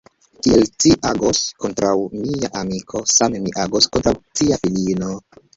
Kiel ci agos kontraŭ mia amiko, same mi agos kontraŭ cia filino.